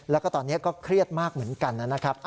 แล้วก็ตอนนี้ก็เครียดมากเหมือนกันนะครับ